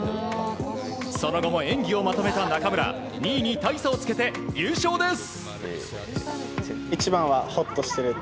その後も演技をまとめた中村２位に大差をつけて優勝です。